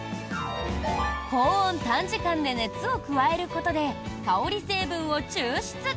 高温短時間で熱を加えることで香り成分を抽出。